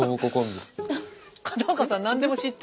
「片岡さん何でも知ってるなあ」